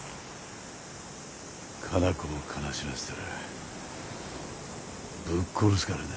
カナコを悲しませたらぶっ殺すからな。